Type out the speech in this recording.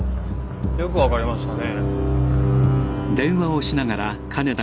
よく分かりましたね。